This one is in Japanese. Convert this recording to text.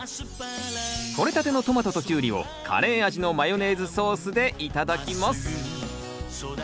とれたてのトマトとキュウリをカレー味のマヨネーズソースで頂きます